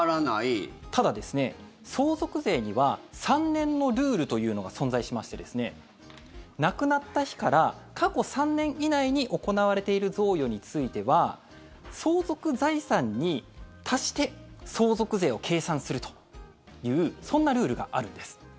ただ、相続税には３年のルールというのが存在しまして亡くなった日から過去３年以内に行われている贈与については相続財産に足して相続税を計算するというそんなルールがあるんです。